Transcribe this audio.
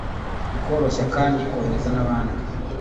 ikoroshya kandi ikorohera n'abandi